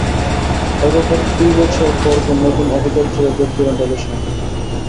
এরপর প্রতি দুই বছর পরপর নতুন অভিযাত্রীরা যোগ দেবেন তাদের সঙ্গে।